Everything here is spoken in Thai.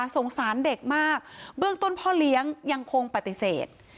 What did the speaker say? สงสารเด็กมากเบื้องต้นพ่อเลี้ยงยังคงปฏิเสธ